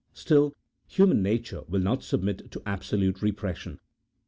Still human nature will not submit to absolute repression.